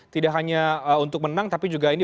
tidak hanya untuk menang tapi juga ini